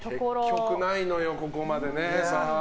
結局ないのよ、ここまでね。